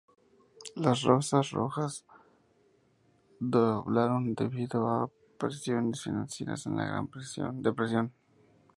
Las rosas rojas doblaron debido a presiones financieras en la Gran depresión.